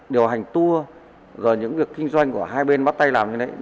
điều hành tour rồi những việc kinh doanh của hai bên bắt tay làm như thế